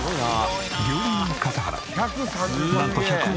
料理人笠原なんと１００円